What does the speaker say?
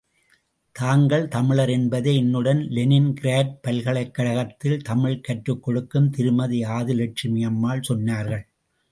தாங்கள் தமிழர் என்பதை, என்னுடன் லெனின் கிராட் பல்கலைக் கழகத்தில் தமிழ் கற்றுக்கொடுக்கும் திருமதி ஆதிலட்சுமி அம்மாள் சொன்னார்கள்.